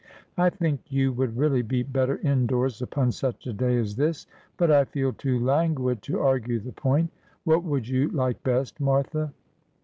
' I think you would really be better indoors upon such a day as this ; but I feel too languid to argue the point. What would you like best, Martha